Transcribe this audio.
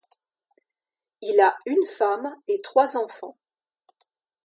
Il a une femme et trois enfants.